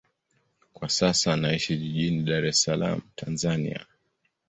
Kwa sasa anaishi jijini Dar es Salaam, Tanzania.